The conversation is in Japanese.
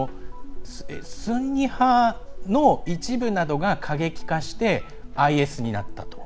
スンニ派の一部などが過激化してＩＳになったと。